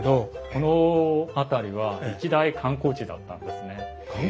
この辺りは一大観光地だったんですね。